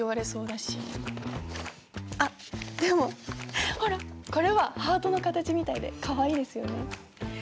あっでもほらこれはハートの形みたいでかわいいですよね。